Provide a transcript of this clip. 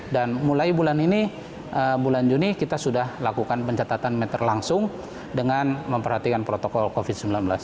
dan mulai bulan ini bulan juni kita sudah lakukan pencatatan meter langsung dengan memperhatikan protokol covid sembilan belas